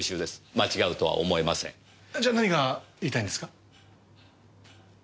じゃあ何が言いたいんですか？